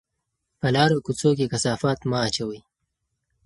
په لارو کوڅو کې کثافات مه اچوئ.